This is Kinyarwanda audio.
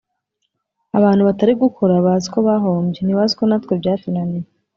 Abantu batari gukora baziko bahombye ,ntibaziko natwe byatunaniye